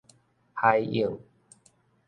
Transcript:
海湧